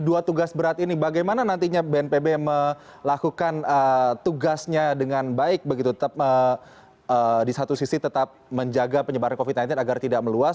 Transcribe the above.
dua tugas berat ini bagaimana nantinya bnpb melakukan tugasnya dengan baik begitu tetap di satu sisi tetap menjaga penyebaran covid sembilan belas agar tidak meluas